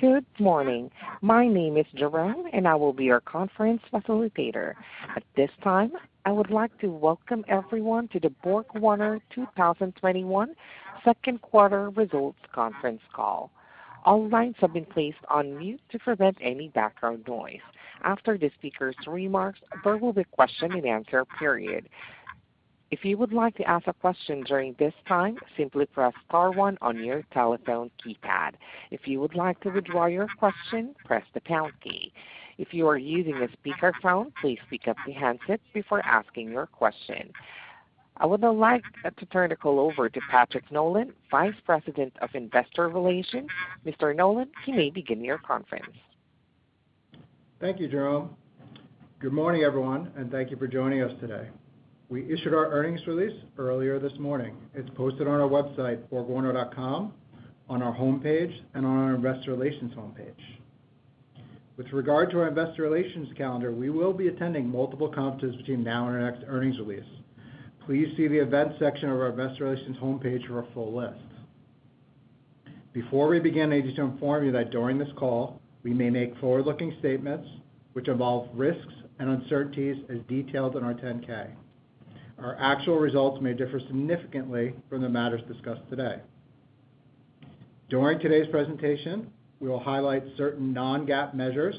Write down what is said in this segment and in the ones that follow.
Good morning. My name is Jerome and I will be your conference facilitator. At this time, I would like to welcome everyone to the BorgWarner 2021 second quarter results conference call. All lines have been placed on mute to prevent any background noise. After the speakers' remarks, there will be a question and answer period. If you would like to ask a question during this time, simply press star one on your telephone keypad. If you would like to withdraw your question, press the pound key. If you are using a speakerphone, please pick up the handset before asking your question. I would now like to turn the call over to Patrick Nolan, Vice President of Investor Relations. Mr. Nolan, you may begin your conference. Thank you, Jerome. Good morning, everyone, and thank you for joining us today. We issued our earnings release earlier this morning. It's posted on our website, borgwarner.com, on our homepage and on our Investor Relations homepage. With regard to our Investor Relations calendar, we will be attending multiple conferences between now and our next earnings release. Please see the Events section of our Investor Relations homepage for a full list. Before we begin, I need to inform you that during this call, we may make forward-looking statements which involve risks and uncertainties as detailed in our Form 10-K. Our actual results may differ significantly from the matters discussed today. During today's presentation, we will highlight certain non-GAAP measures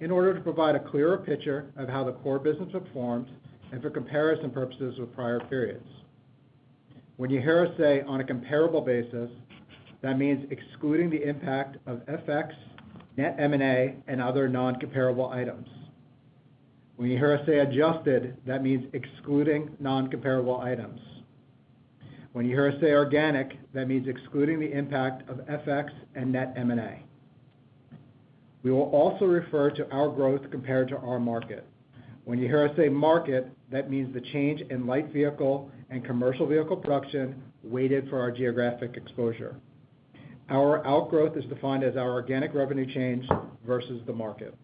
in order to provide a clearer picture of how the core business performed and for comparison purposes with prior periods. When you hear us say on a comparable basis, that means excluding the impact of FX, net M&A, and other non-comparable items. When you hear us say adjusted, that means excluding non-comparable items. When you hear us say organic, that means excluding the impact of FX and net M&A. We will also refer to our growth compared to our market. When you hear us say market, that means the change in light vehicle and commercial vehicle production weighted for our geographic exposure. Our outgrowth is defined as our organic revenue change versus the market.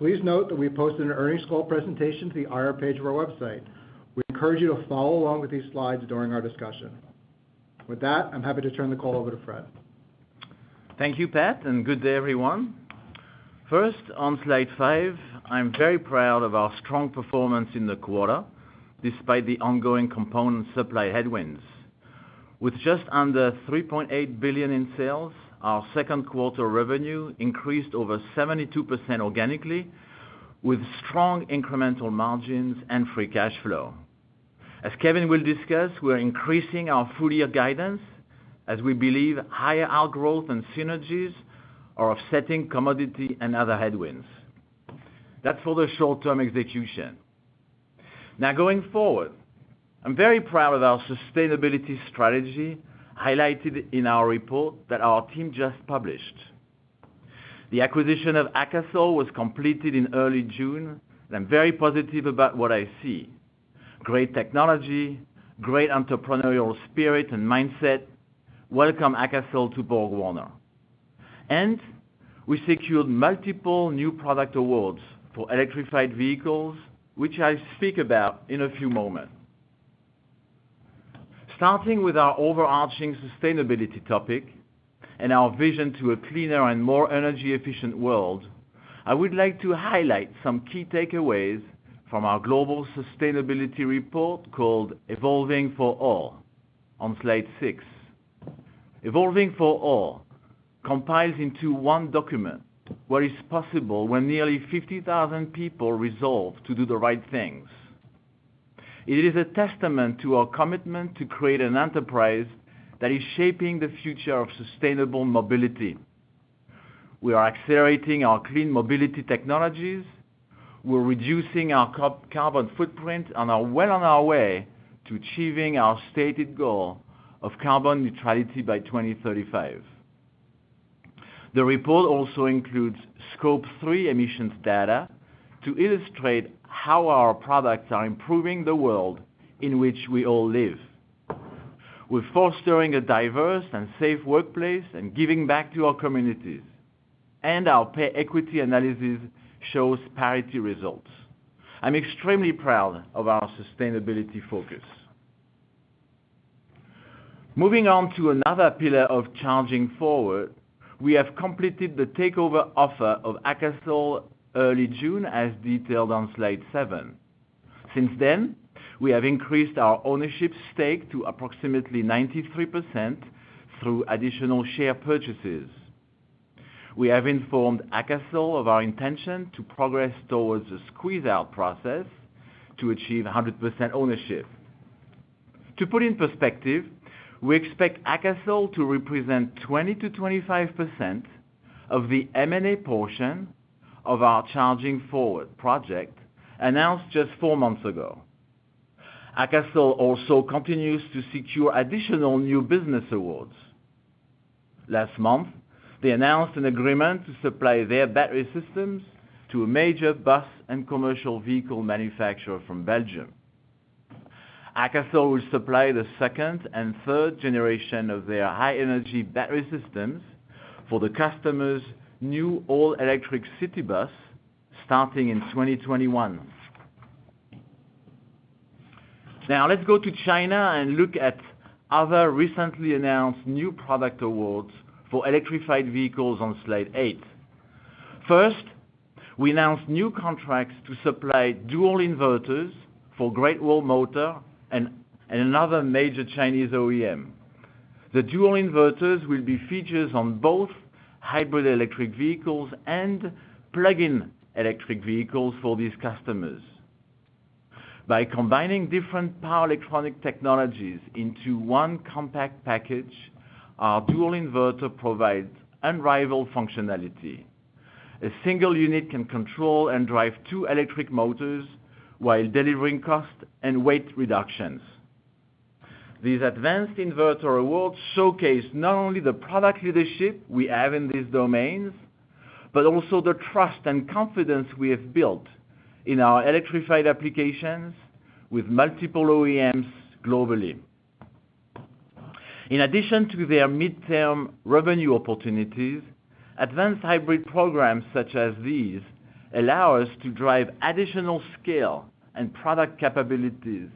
Please note that we posted an earnings call presentation to the IR page of our website. We encourage you to follow along with these slides during our discussion. With that, I'm happy to turn the call over to Fred. Thank you, Patrick, and good day, everyone. First, on slide five, I'm very proud of our strong performance in the quarter, despite the ongoing component supply headwinds. With just under $3.8 billion in sales, our second quarter revenue increased over 72% organically, with strong incremental margins and free cash flow. As Kevin will discuss, we're increasing our full-year guidance as we believe higher outgrowth and synergies are offsetting commodity and other headwinds. That's for the short-term execution. Going forward, I'm very proud of our sustainability strategy highlighted in our report that our team just published. The acquisition of AKASOL was completed in early June, and I'm very positive about what I see. Great technology, great entrepreneurial spirit and mindset. Welcome, AKASOL to BorgWarner. We secured multiple new product awards for electrified vehicles, which I'll speak about in a few moments. Starting with our overarching sustainability topic and our vision to a cleaner and more energy-efficient world, I would like to highlight some key takeaways from our global sustainability report called Evolving for All, on slide six. Evolving for All compiles into one document what is possible when nearly 50,000 people resolve to do the right things. It is a testament to our commitment to create an enterprise that is shaping the future of sustainable mobility. We are accelerating our clean mobility technologies. We're reducing our carbon footprint and are well on our way to achieving our stated goal of carbon neutrality by 2035. The report also includes Scope 3 emissions data to illustrate how our products are improving the world in which we all live. We're fostering a diverse and safe workplace and giving back to our communities, and our pay equity analysis shows parity results. I'm extremely proud of our sustainability focus. Moving on to another pillar of Charging Forward, we have completed the takeover offer of AKASOL early June, as detailed on slide seven. Since then, we have increased our ownership stake to approximately 93% through additional share purchases. We have informed AKASOL of our intention to progress towards a squeeze-out process to achieve 100% ownership. To put it in perspective, we expect AKASOL to represent 20%-25% of the M&A portion of our Charging Forward project announced just four months ago. AKASOL also continues to secure additional new business awards. Last month, they announced an agreement to supply their battery systems to a major bus and commercial vehicle manufacturer from Belgium. AKASOL will supply the second and third generation of their high-energy battery systems for the customer's new all-electric city bus starting in 2021. Let's go to China and look at other recently announced new product awards for electrified vehicles on slide eight. First, we announced new contracts to supply dual inverters for Great Wall Motor and another major Chinese OEM. The dual inverters will be featured on both hybrid electric vehicles and plug-in electric vehicles for these customers. By combining different power electronic technologies into one compact package, our dual inverter provides unrivaled functionality. A single unit can control and drive two electric motors while delivering cost and weight reductions. These advanced inverter awards showcase not only the product leadership we have in these domains, but also the trust and confidence we have built in our electrified applications with multiple OEMs globally. In addition to their midterm revenue opportunities, advanced hybrid programs such as these allow us to drive additional scale and product capabilities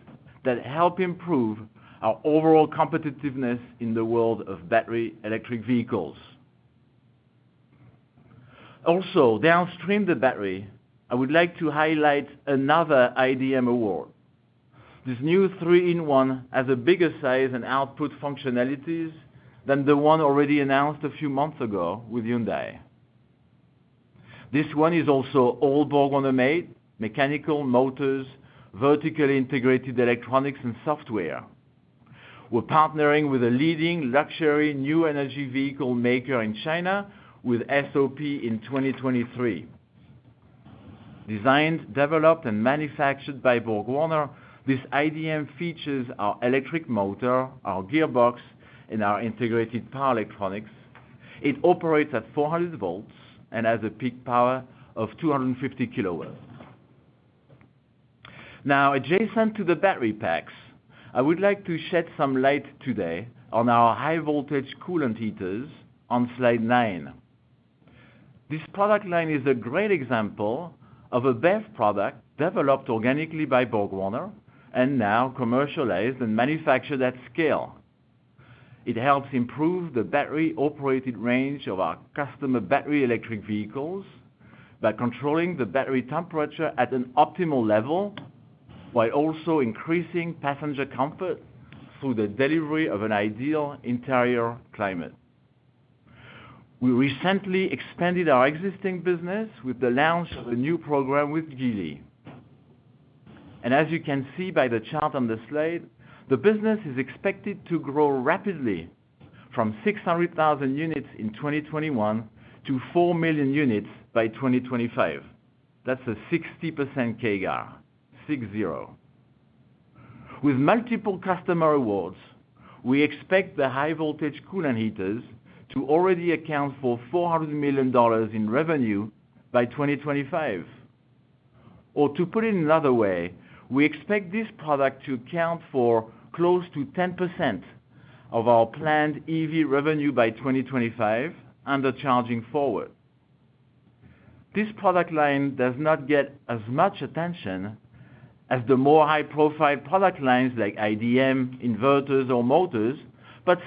that help improve our overall competitiveness in the world of battery electric vehicles. Also, downstream the battery, I would like to highlight another iDM award. This new 3-in-1 has a bigger size and output functionalities than the one already announced a few months ago with Hyundai. This one is also all BorgWarner made, mechanical motors, vertically integrated electronics and software. We're partnering with a leading luxury new energy vehicle maker in China with SOP in 2023. Designed, developed, and manufactured by BorgWarner, this iDM features our electric motor, our gearbox, and our integrated power electronics. It operates at 400 V and has a peak power of 250 kW. Now, adjacent to the battery packs, I would like to shed some light today on our High-Voltage Coolant Heaters on slide nine. This product line is a great example of a BEV product developed organically by BorgWarner and now commercialized and manufactured at scale. It helps improve the battery-operated range of our customer battery electric vehicles by controlling the battery temperature at an optimal level, while also increasing passenger comfort through the delivery of an ideal interior climate. We recently expanded our existing business with the launch of a new program with Geely. As you can see by the chart on the slide, the business is expected to grow rapidly from 600,000 units in 2021 to 4 million units by 2025. That's a 60% CAGR. Six, zero. With multiple customer awards, we expect the High-Voltage Coolant Heaters to already account for $400 million in revenue by 2025. To put it another way, we expect this product to account for close to 10% of our planned EV revenue by 2025 and the Charging Forward. This product line does not get as much attention as the more high-profile product lines like iDM inverters or motors,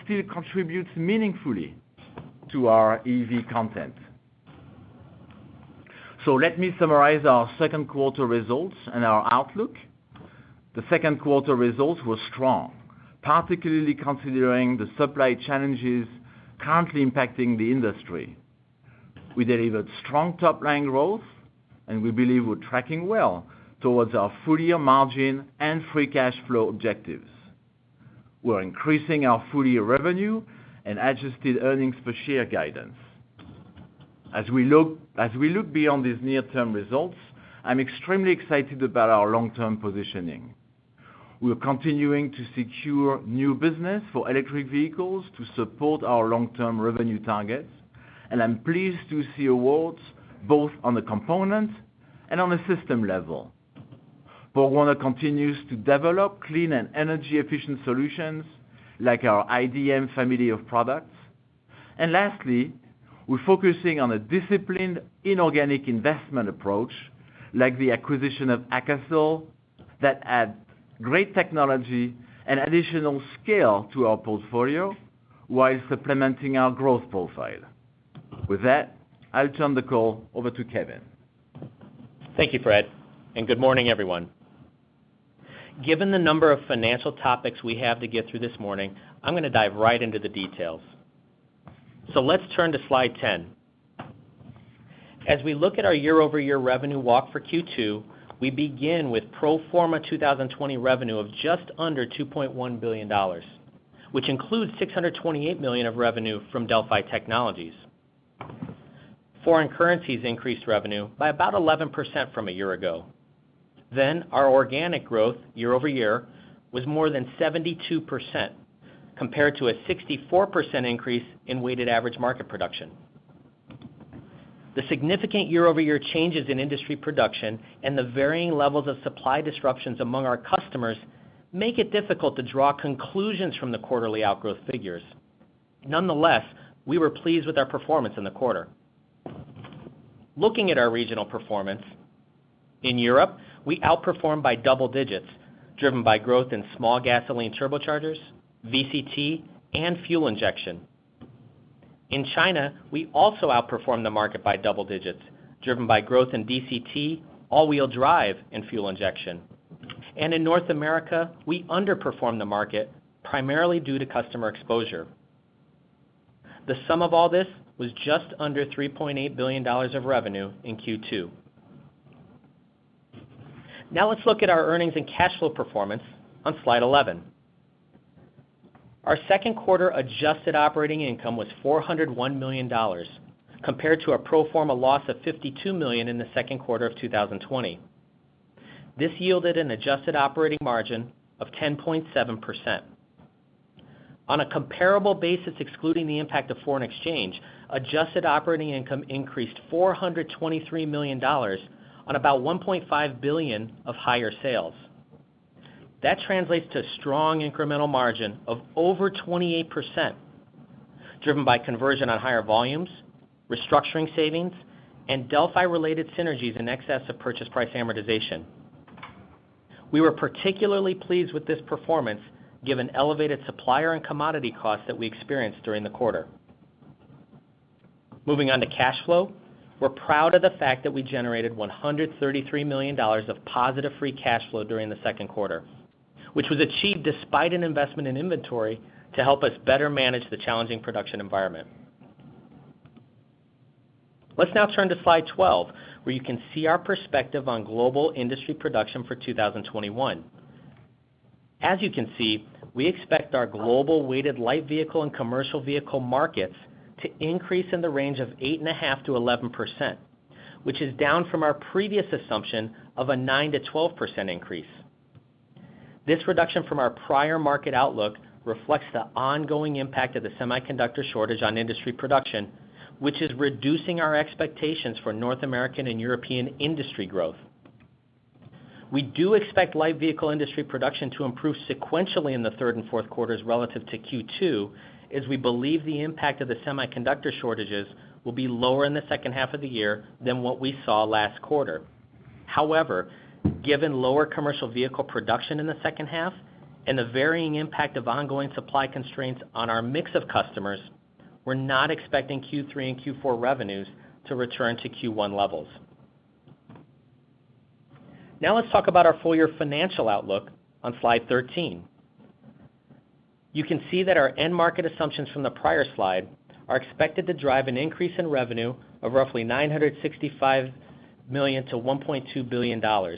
still contributes meaningfully to our EV content. Let me summarize our second quarter results and our outlook. The second quarter results were strong, particularly considering the supply challenges currently impacting the industry. We delivered strong top-line growth, we believe we're tracking well towards our full-year margin and free cash flow objectives. We're increasing our full-year revenue and adjusted earnings per share guidance. As we look beyond these near-term results, I'm extremely excited about our long-term positioning. We are continuing to secure new business for electric vehicles to support our long-term revenue targets, and I'm pleased to see awards both on the component and on a system level. BorgWarner continues to develop clean and energy-efficient solutions like our iDM family of products. Lastly, we're focusing on a disciplined inorganic investment approach, like the acquisition of AKASOL, that adds great technology and additional scale to our portfolio while supplementing our growth profile. With that, I'll turn the call over to Kevin. Thank you, Fred, and good morning, everyone. Given the number of financial topics we have to get through this morning, I'm going to dive right into the details. Let's turn to slide 10. As we look at our year-over-year revenue walk for Q2, we begin with pro forma 2020 revenue of just under $2.1 billion, which includes $628 million of revenue from Delphi Technologies. Foreign currencies increased revenue by about 11% from a year ago. Our organic growth year-over-year was more than 72% compared to a 64% increase in weighted average market production. The significant year-over-year changes in industry production and the varying levels of supply disruptions among our customers make it difficult to draw conclusions from the quarterly outgrowth figures. Nonetheless, we were pleased with our performance in the quarter. Looking at our regional performance, in Europe, we outperformed by double digits, driven by growth in small gasoline turbochargers, VCT, and fuel injection. In China, we also outperformed the market by double digits, driven by growth in DCT, all-wheel drive, and fuel injection. In North America, we underperformed the market primarily due to customer exposure. The sum of all this was just under $3.8 billion of revenue in Q2. Let's look at our earnings and cash flow performance on slide 11. Our second quarter adjusted operating income was $401 million compared to a pro forma loss of $52 million in the second quarter of 2020. This yielded an adjusted operating margin of 10.7%. On a comparable basis, excluding the impact of foreign exchange, adjusted operating income increased $423 million on about $1.5 billion of higher sales. That translates to strong incremental margin of over 28%, driven by conversion on higher volumes, restructuring savings, and Delphi-related synergies in excess of purchase price amortization. We were particularly pleased with this performance given elevated supplier and commodity costs that we experienced during the quarter. Moving on to cash flow. We're proud of the fact that we generated $133 million of positive free cash flow during the second quarter, which was achieved despite an investment in inventory to help us better manage the challenging production environment. Let's now turn to slide 12, where you can see our perspective on global industry production for 2021. As you can see, we expect our global weighted light vehicle and commercial vehicle markets to increase in the range of 8.5%-11%, which is down from our previous assumption of a 9%-12% increase. This reduction from our prior market outlook reflects the ongoing impact of the semiconductor shortage on industry production, which is reducing our expectations for North American and European industry growth. We do expect light vehicle industry production to improve sequentially in the third and fourth quarters relative to Q2, as we believe the impact of the semiconductor shortages will be lower in the second half of the year than what we saw last quarter. Given lower commercial vehicle production in the second half and the varying impact of ongoing supply constraints on our mix of customers, we're not expecting Q3 and Q4 revenues to return to Q1 levels. Let's talk about our full-year financial outlook on slide 13. You can see that our end market assumptions from the prior slide are expected to drive an increase in revenue of roughly $965 million-$1.2 billion.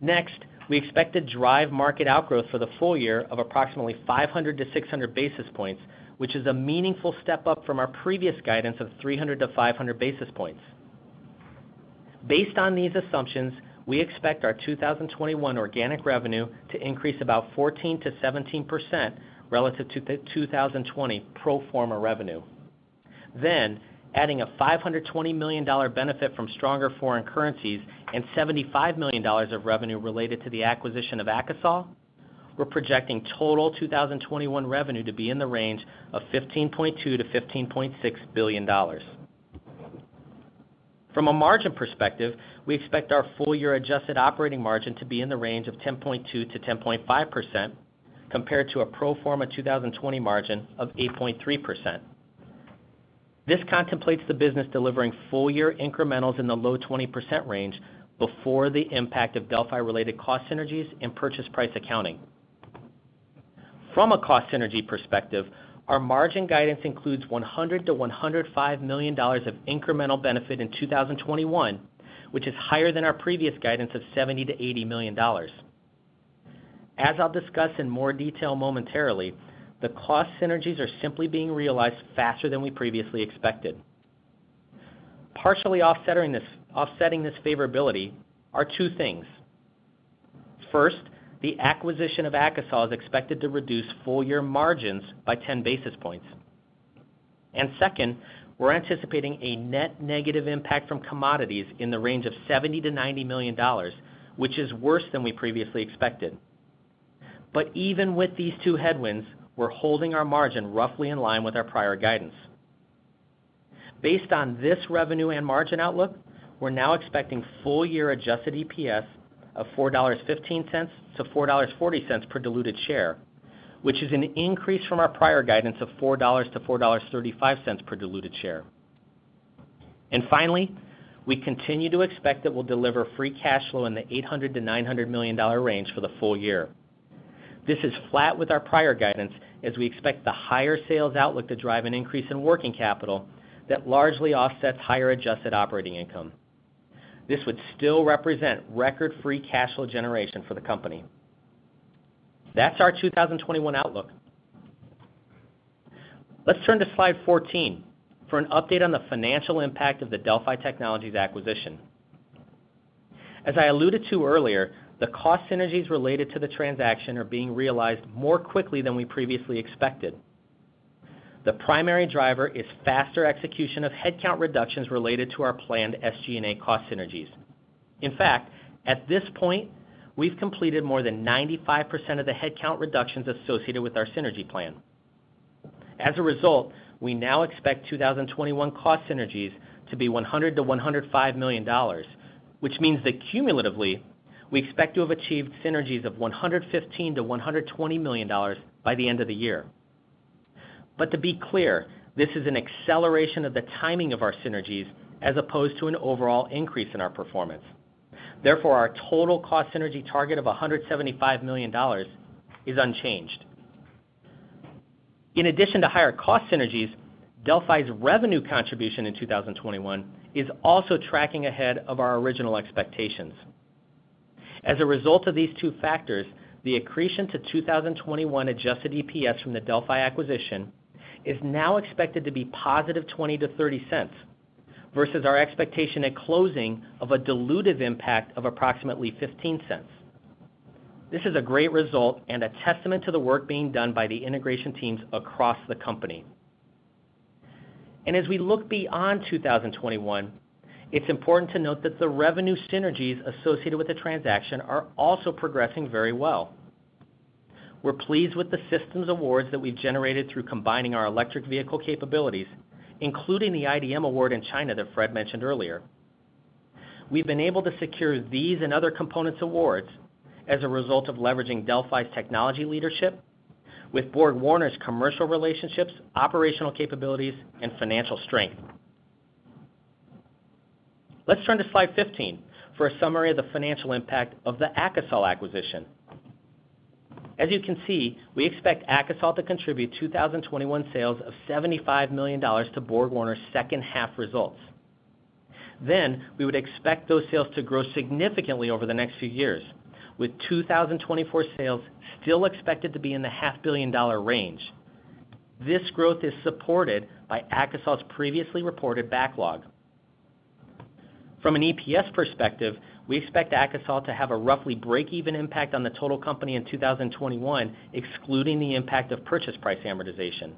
Next, we expect to drive market outgrowth for the full-year of approximately 500-600 basis points, which is a meaningful step up from our previous guidance of 300-500 basis points. Based on these assumptions, we expect our 2021 organic revenue to increase about 14%-17% relative to 2020 pro forma revenue. Adding a $520 million benefit from stronger foreign currencies and $75 million of revenue related to the acquisition of AKASOL, we're projecting total 2021 revenue to be in the range of $15.2 billion-$15.6 billion. From a margin perspective, we expect our full-year adjusted operating margin to be in the range of 10.2%-10.5% compared to a pro forma 2020 margin of 8.3%. This contemplates the business delivering full-year incrementals in the low 20% range before the impact of Delphi-related cost synergies and purchase price accounting. From a cost synergy perspective, our margin guidance includes $100 million-$105 million of incremental benefit in 2021, which is higher than our previous guidance of $70 million-$80 million. As I'll discuss in more detail momentarily, the cost synergies are simply being realized faster than we previously expected. Partially offsetting this favorability are two things. First, the acquisition of AKASOL is expected to reduce full-year margins by 10 basis points. Second, we're anticipating a net negative impact from commodities in the range of $70 million-$90 million, which is worse than we previously expected. Even with these two headwinds, we're holding our margin roughly in line with our prior guidance. Based on this revenue and margin outlook, we're now expecting full-year adjusted EPS of $4.15-$4.40 per diluted share, which is an increase from our prior guidance of $4.00-$4.35 per diluted share. Finally, we continue to expect that we'll deliver free cash flow in the $800 million-$900 million range for the full-year. This is flat with our prior guidance as we expect the higher sales outlook to drive an increase in working capital that largely offsets higher adjusted operating income. This would still represent record free cash flow generation for the company. That's our 2021 outlook. Let's turn to slide 14 for an update on the financial impact of the Delphi Technologies acquisition. As I alluded to earlier, the cost synergies related to the transaction are being realized more quickly than we previously expected. The primary driver is faster execution of headcount reductions related to our planned SG&A cost synergies. In fact, at this point, we've completed more than 95% of the headcount reductions associated with our synergy plan. As a result, we now expect 2021 cost synergies to be $100 million-$105 million, which means that cumulatively, we expect to have achieved synergies of $115 million-$120 million by the end of the year. To be clear, this is an acceleration of the timing of our synergies as opposed to an overall increase in our performance. Therefore, our total cost synergy target of $175 million is unchanged. In addition to higher cost synergies, Delphi's revenue contribution in 2021 is also tracking ahead of our original expectations. As a result of these two factors, the accretion to 2021 adjusted EPS from the Delphi acquisition is now expected to be positive $0.20-$0.30, versus our expectation at closing of a dilutive impact of approximately $0.15. This is a great result and a testament to the work being done by the integration teams across the company. As we look beyond 2021, it's important to note that the revenue synergies associated with the transaction are also progressing very well. We're pleased with the systems awards that we've generated through combining our electric vehicle capabilities, including the iDM award in China that Fred mentioned earlier. We've been able to secure these and other components awards as a result of leveraging Delphi's technology leadership with BorgWarner's commercial relationships, operational capabilities, and financial strength. Let's turn to slide 15 for a summary of the financial impact of the AKASOL acquisition. As you can see, we expect AKASOL to contribute 2021 sales of $75 million to BorgWarner's second half results. We would expect those sales to grow significantly over the next few years, with 2024 sales still expected to be in the half billion dollar range. This growth is supported by AKASOL's previously reported backlog. From an EPS perspective, we expect AKASOL to have a roughly breakeven impact on the total company in 2021, excluding the impact of purchase price amortization.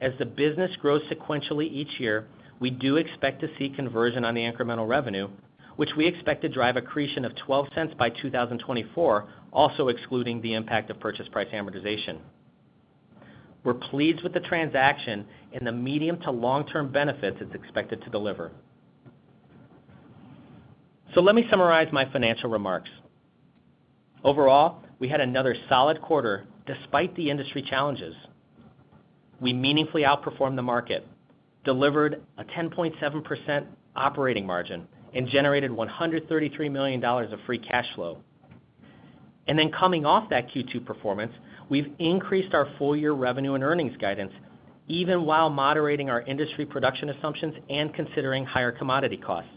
As the business grows sequentially each year, we do expect to see conversion on the incremental revenue, which we expect to drive accretion of $0.12 by 2024, also excluding the impact of purchase price amortization. We're pleased with the transaction and the medium to long-term benefits it's expected to deliver. Let me summarize my financial remarks. Overall, we had another solid quarter despite the industry challenges. We meaningfully outperformed the market, delivered a 10.7% operating margin, and generated $133 million of free cash flow. Coming off that Q2 performance, we've increased our full-year revenue and earnings guidance, even while moderating our industry production assumptions and considering higher commodity costs.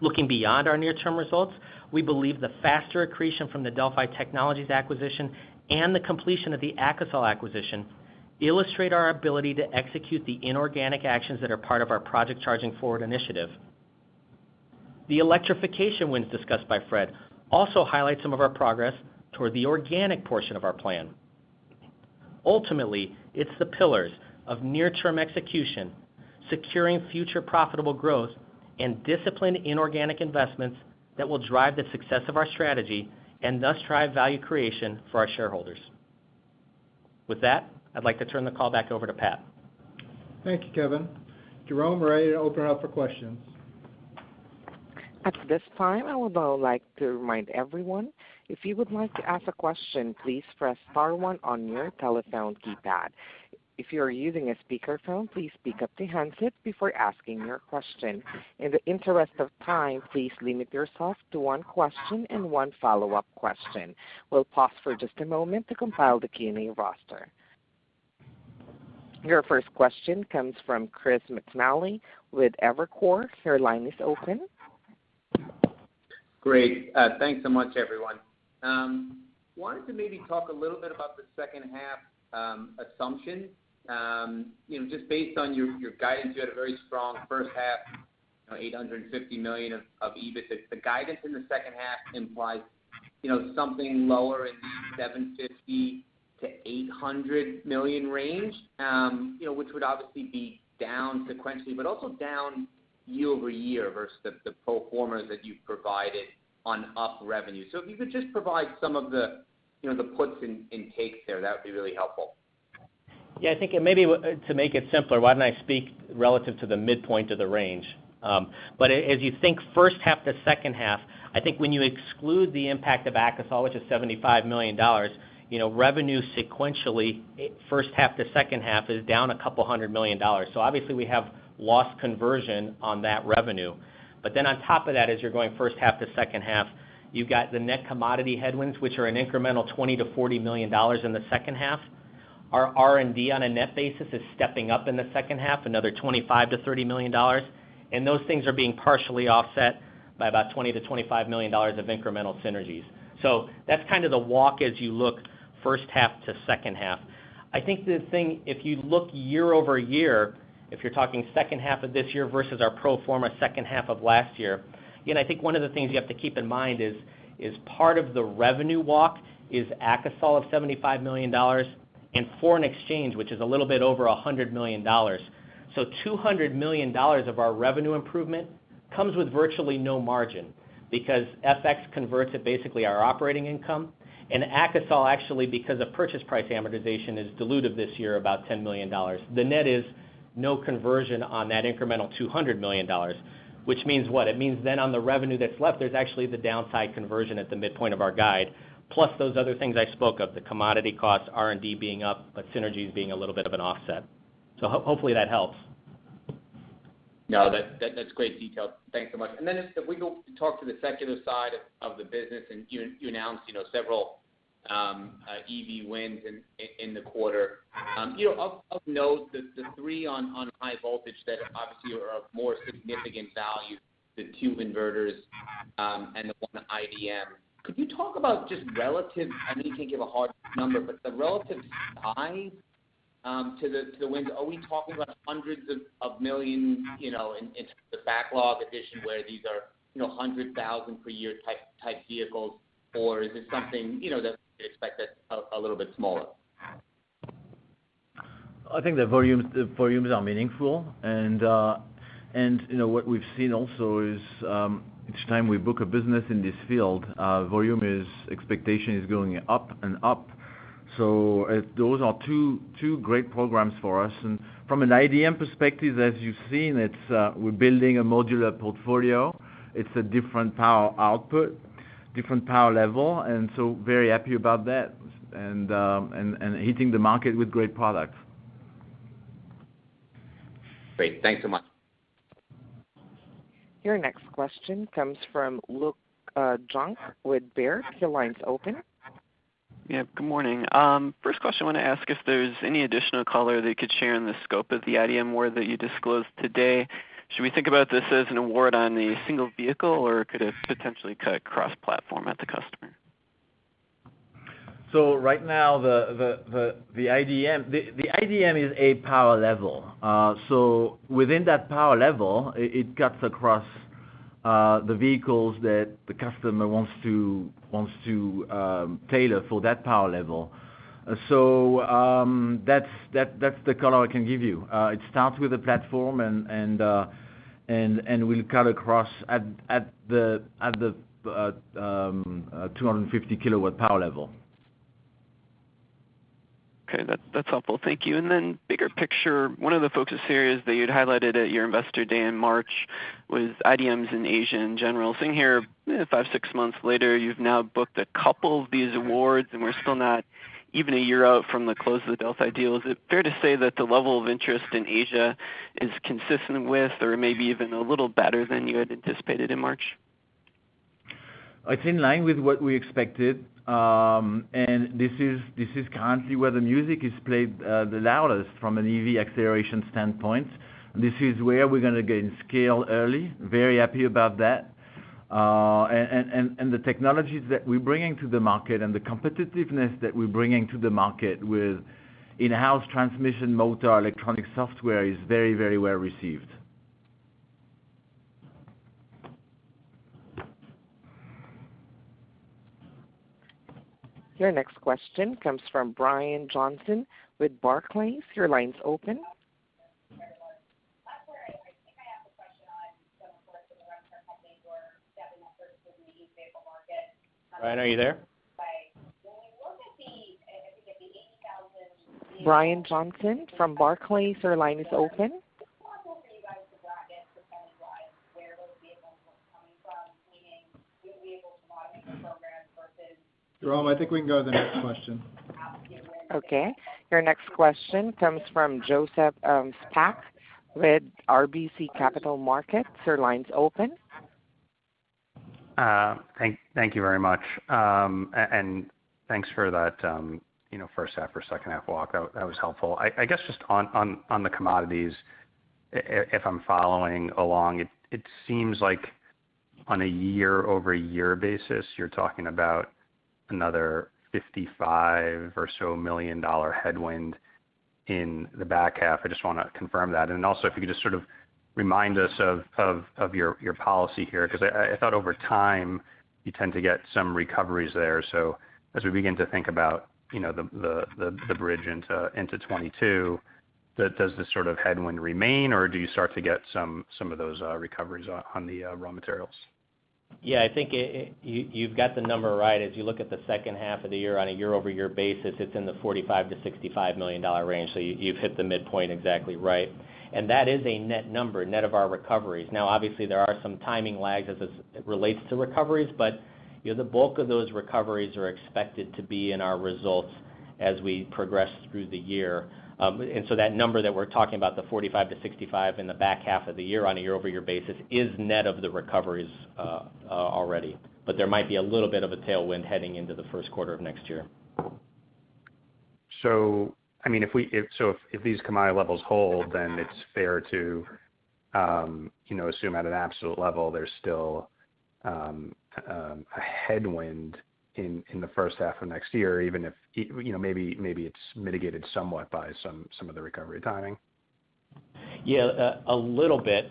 Looking beyond our near-term results, we believe the faster accretion from the Delphi Technologies acquisition and the completion of the AKASOL acquisition illustrate our ability to execute the inorganic actions that are part of our Project Charging Forward initiative. The electrification wins discussed by Fred also highlight some of our progress toward the organic portion of our plan. Ultimately, it's the pillars of near-term execution, securing future profitable growth, and disciplined inorganic investments that will drive the success of our strategy and thus drive value creation for our shareholders. With that, I'd like to turn the call back over to Pat. Thank you, Kevin. Jerome, we're ready to open it up for questions. At this time, I would now like to remind everyone, if you would like to ask a question, please press star one on your telephone keypad. If you are using a speakerphone, please pick up the handset before asking your question. In the interest of time, please limit yourself to one question and one follow-up question. We'll pause for just a moment to compile the Q&A roster. Your first question comes from Chris McNally with Evercore. Your line is open. Great. Thanks so much, everyone. Wanted to maybe talk a little bit about the second half assumption. Based on your guidance, you had a very strong first half, $850 million of EBIT. The guidance in the second half implies something lower in $750 million-$800 million range, which would obviously be down sequentially, but also down year-over-year versus the pro forma that you've provided on up revenue. If you could just provide some of the puts and takes there, that would be really helpful. Yeah, I think maybe to make it simpler, why don't I speak relative to the midpoint of the range? As you think first half to second half, I think when you exclude the impact of AKASOL, which is $75 million, revenue sequentially first half to second half is down $200 million. Obviously we have lost conversion on that revenue. On top of that, as you're going first half to second half, you've got the net commodity headwinds, which are an incremental $20 million-$40 million in the second half. Our R&D on a net basis is stepping up in the second half, another $25 million-$30 million. Those things are being partially offset by about $20 million-$25 million of incremental synergies. That's kind of the walk as you look first half to second half. I think the thing, if you look year-over-year, if you're talking second half of this year versus our pro forma second half of last year. I think one of the things you have to keep in mind is part of the revenue walk is AKASOL of $75 million and foreign exchange, which is a little bit over $100 million. $200 million of our revenue improvement comes with virtually no margin because FX converts at basically our operating income and AKASOL actually, because of purchase price amortization, is dilutive this year about $10 million. The net is no conversion on that incremental $200 million, which means what? It means then on the revenue that's left, there's actually the downside conversion at the midpoint of our guide, plus those other things I spoke of, the commodity costs, R&D being up, but synergies being a little bit of an offset. Hopefully that helps. No, that's great detail. Thanks so much. Then if we go to talk to the secular side of the business, and you announced several EV wins in the quarter. Of note, the three on high voltage that obviously are of more significant value, the two inverters, and the one iDM. Could you talk about just relative, I know you can't give a hard number, but the relative size to the wins? Are we talking about hundreds of millions in terms of the backlog addition where these are 100,000 per year type vehicles, or is it something that we could expect that's a little bit smaller? I think the volumes are meaningful and what we've seen also is, each time we book a business in this field, volume expectation is going up and up. Those are two great programs for us. From an iDM perspective, as you've seen, we're building a modular portfolio. It's a different power output, different power level, and so very happy about that, and hitting the market with great products. Great. Thanks so much. Your next question comes from Luke Junk with Baird. Your line's open. Good morning. First question I want to ask if there's any additional color that you could share in the scope of the iDM award that you disclosed today. Should we think about this as an award on a single vehicle, or could it potentially cut cross-platform at the customer? Right now, the iDM is a power level. Within that power level, it cuts across the vehicles that the customer wants to tailor for that power level. That's the color I can give you. It starts with a platform and will cut across at the 250 kW power level. Okay. That's helpful. Thank you. Bigger picture, one of the focuses here is that you'd highlighted at your Investor Day in March was iDM in Asia in general. Sitting here, five to six months later, you've now booked a couple of these awards, and we're still not even one year out from the close of the Delphi deal. Is it fair to say that the level of interest in Asia is consistent with, or maybe even a little better than you had anticipated in March? It's in line with what we expected. This is currently where the music is played the loudest from an EV acceleration standpoint. This is where we're going to gain scale early, very happy about that. The technologies that we're bringing to the market and the competitiveness that we're bringing to the market with in-house transmission motor electronic software is very well received. Your next question comes from Brian Johnson with Barclays. Your line's open. Brian, are you there? Brian Johnson from Barclays, your line is open. Jerome, I think we can go to the next question. Okay. Your next question comes from Joseph Spak with RBC Capital Markets. Your line's open. Thank you very much. Thanks for that first half or second half walk, that was helpful. I guess just on the commodities, if I'm following along, it seems like on a year-over-year basis, you're talking about another $55 million or so headwind in the back half. I just want to confirm that. Also, if you could just sort of remind us of your policy here, because I thought over time, you tend to get some recoveries there. As we begin to think about the bridge into 2022, does this sort of headwind remain, or do you start to get some of those recoveries on the raw materials? Yeah, I think you've got the number right. As you look at the second half of the year on a year-over-year basis, it's in the $45 million-$65 million range, so you've hit the midpoint exactly right. That is a net number, net of our recoveries. Now, obviously, there are some timing lags as it relates to recoveries, but the bulk of those recoveries are expected to be in our results as we progress through the year. That number that we're talking about, the $45 million-$65 million in the back half of the year on a year-over-year basis, is net of the recoveries already. There might be a little bit of a tailwind heading into the first quarter of next year. If these commodity levels hold, it's fair to assume at an absolute level there's still a headwind in the first half of next year, even if maybe it's mitigated somewhat by some of the recovery timing? Yeah, a little bit.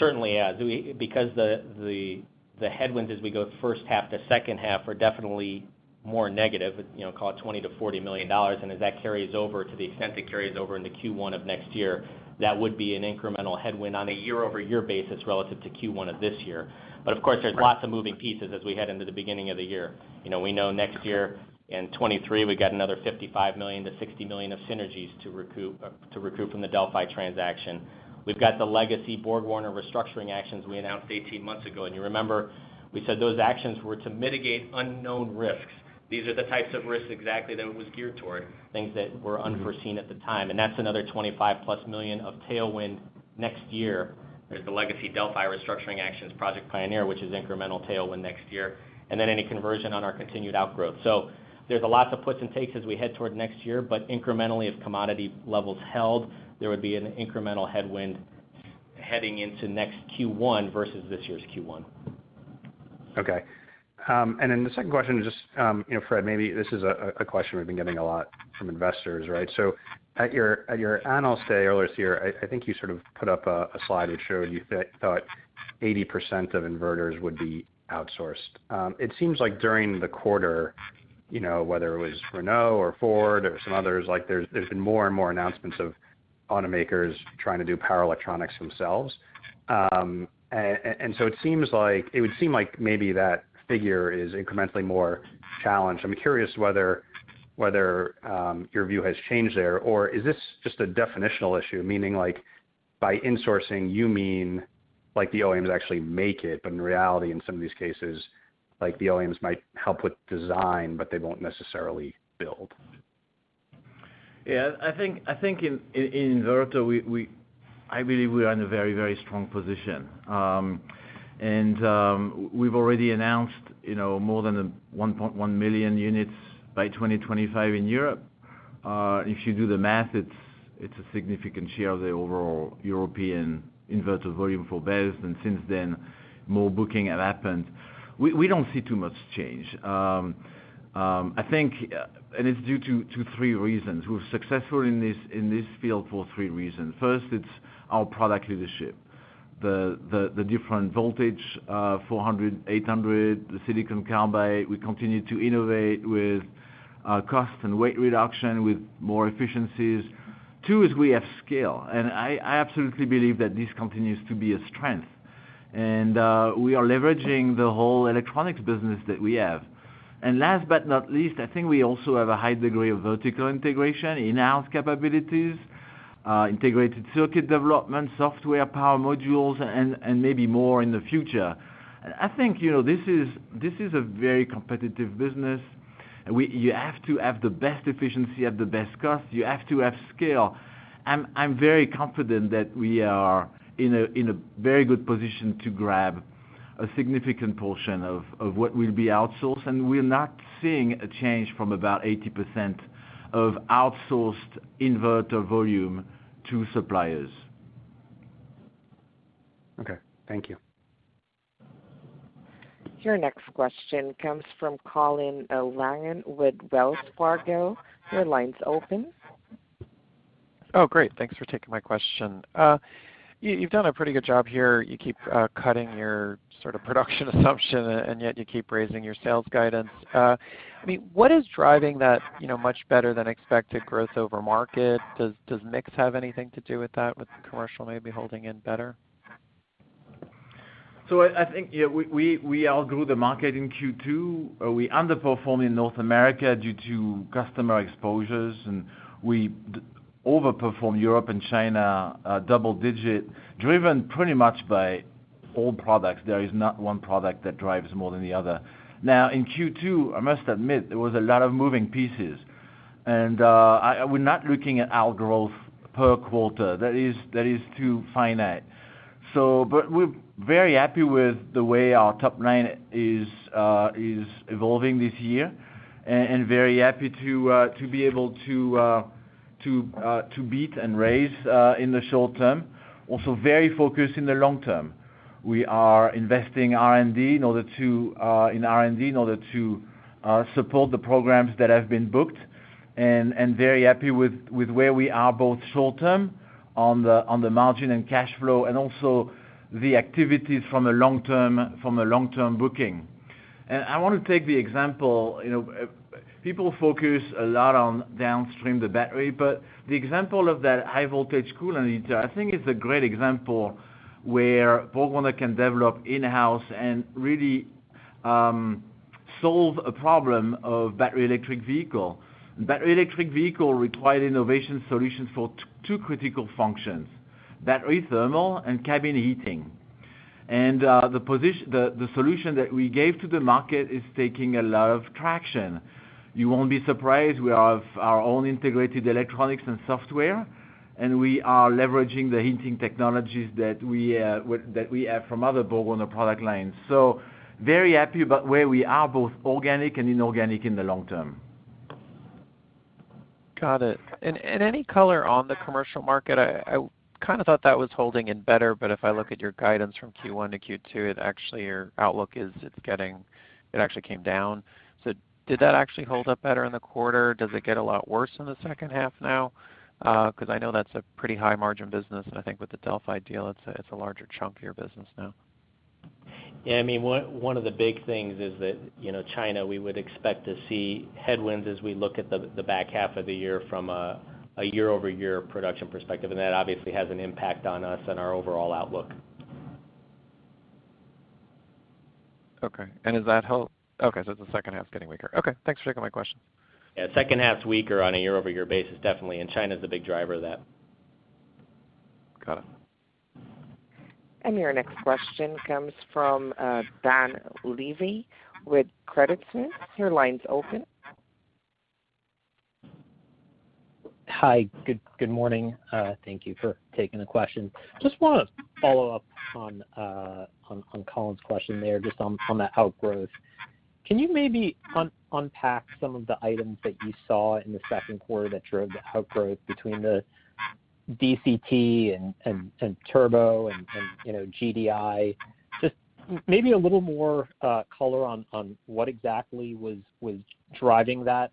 Certainly, as the headwinds as we go first half to second half are definitely more negative, call it $20 million-$40 million. As that carries over to the extent it carries over into Q1 of next year, that would be an incremental headwind on a year-over-year basis relative to Q1 of this year. Of course, there's lots of moving pieces as we head into the beginning of the year. We know next year in 2023, we got another $55 million-$60 million of synergies to recoup from the Delphi transaction. We've got the legacy BorgWarner restructuring actions we announced 18 months ago, and you remember, we said those actions were to mitigate unknown risks. These are the types of risks exactly that it was geared toward, things that were unforeseen at the time. That's another $25 million-plus of tailwind next year. There's the legacy Delphi restructuring actions, Project Pioneer, which is incremental tailwind next year, any conversion on our continued outgrowth. There's a lot of puts and takes as we head toward next year, but incrementally, if commodity levels held, there would be an incremental headwind heading into next Q1 versus this year's Q1. Okay. Fred, maybe this is a question we've been getting a lot from investors, right? At your Investor Day earlier this year, I think you sort of put up a slide that showed you thought 80% of inverters would be outsourced. It seems like during the quarter, whether it was Renault or Ford or some others, there's been more and more announcements of automakers trying to do power electronics themselves. It would seem like maybe that figure is incrementally more challenged. I'm curious whether your view has changed there, or is this just a definitional issue, meaning by insourcing, you mean the OEMs actually make it, but in reality, in some of these cases, the OEMs might help with design, but they won't necessarily build. Yeah, I think in inverter, I believe we are in a very strong position. We've already announced more than 1.1 million units by 2025 in Europe. If you do the math, it's a significant share of the overall European inverter volume for BEVs, and since then, more booking has happened. We don't see too much change. I think, it's due to three reasons. We're successful in this field for three reasons. First, it's our product leadership. The different voltage, 400, 800, the silicon carbide. We continue to innovate with cost and weight reduction with more efficiencies. Two is we have scale, and I absolutely believe that this continues to be a strength. We are leveraging the whole electronics business that we have. Last but not least, I think we also have a high degree of vertical integration, in-house capabilities, integrated circuit development, software, power modules, and maybe more in the future. I think this is a very competitive business. You have to have the best efficiency at the best cost. You have to have scale. I'm very confident that we are in a very good position to grab a significant portion of what will be outsourced. We're not seeing a change from about 80% of outsourced inverter volume to suppliers. Okay. Thank you. Your next question comes from Colin Langan with Wells Fargo. Your line's open. Oh, great. Thanks for taking my question. You've done a pretty good job here. You keep cutting your sort of production assumption, yet you keep raising your sales guidance. What is driving that much better than expected growth over market? Does mix have anything to do with that, with commercial maybe holding in better? I think we outgrew the market in Q2. We underperformed in North America due to customer exposures, and we overperformed Europe and China, double-digit, driven pretty much by all products. There is not one product that drives more than the other. In Q2, I must admit, there was a lot of moving pieces. We're not looking at our growth per quarter. That is too finite. We're very happy with the way our top line is evolving this year and very happy to be able to beat and raise in the short-term. Also very focused in the long-term. We are investing in R&D in order to support the programs that have been booked and very happy with where we are both short-term on the margin and cash flow and also the activities from the long-term booking. I want to take the example, people focus a lot on downstream the battery, but the example of that High-Voltage Coolant Heater, I think it's a great example where BorgWarner can develop in-house and really solve a problem of battery electric vehicle. Battery electric vehicle required innovation solutions for two critical functions, battery thermal and cabin heating. The solution that we gave to the market is taking a lot of traction. You won't be surprised we have our own integrated electronics and software, and we are leveraging the heating technologies that we have from other BorgWarner product lines. Very happy about where we are both organic and inorganic in the long term. Got it. Any color on the commercial market? I kind of thought that was holding in better, but if I look at your guidance from Q1 to Q2, actually your outlook actually came down. Did that actually hold up better in the quarter? Does it get a lot worse in the second half now? I know that's a pretty high-margin business, and I think with the Delphi deal, it's a larger chunk of your business now. Yeah. One of the big things is that China, we would expect to see headwinds as we look at the back half of the year from a year-over-year production perspective, and that obviously has an impact on us and our overall outlook. Okay. It's the second half getting weaker. Okay, thanks for taking my question. Yeah. Second half's weaker on a year-over-year basis, definitely, and China's the big driver of that. Got it. Your next question comes from Dan Levy with Credit Suisse. Your line's open. Hi. Good morning. Thank you for taking the question. I just want to follow up on Colin's question there, just on that outgrowth. Can you maybe unpack some of the items that you saw in the second quarter that drove the outgrowth between the DCT, and turbo, and GDI? Just maybe a little more color on what exactly was driving that?